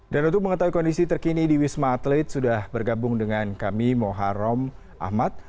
dan untuk mengetahui kondisi terkini di wisma atlet sudah bergabung dengan kami moharom ahmad